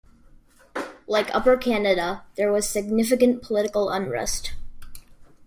Like Upper Canada, there was significant political unrest.